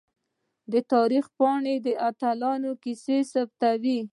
د تاریخ پاڼې د اتلانو کیسې ثبتوي.